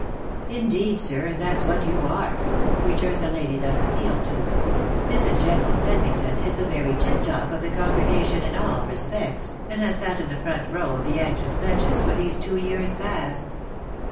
" "Indeed, sir, and that's what you are," returned the lady thus appealed to. " Mrs. General Pedmington is the very tiptop of the congregation in all respects, and has sat in the front row of the anxious benches for these two years past."